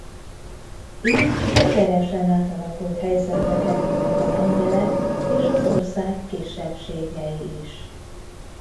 Így gyökeresen átalakult helyzetbe kerültek a lengyelek és az ország kisebbségei is.